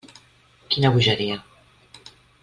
Quina bogeria!